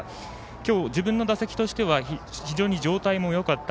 今日は自分の打撃としては非常に状態もよかった。